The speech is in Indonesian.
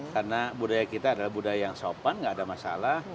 karena budaya kita adalah budaya yang sopan tidak ada masalah